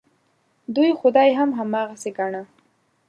دوی خدای هم هماغسې ګاڼه.